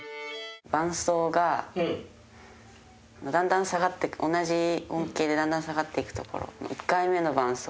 伴奏がだんだん下がってく同じ音形でだんだん下がっていくところ。